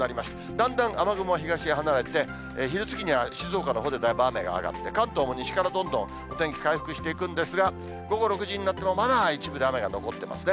だんだん雨雲は東へ離れて、昼過ぎには静岡のほうでだいぶ雨が上がって、関東も西からどんどんお天気回復していくんですが、午後６時になっても、まだ一部で雨が残ってますね。